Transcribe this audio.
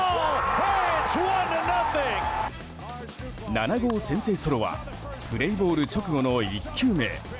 ７号先制ソロはプレーボール直後の１球目。